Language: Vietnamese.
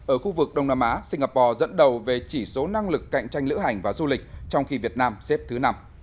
ở khu vực đông nam á singapore dẫn đầu về chỉ số năng lực cạnh tranh lữ hành và du lịch trong khi việt nam xếp thứ năm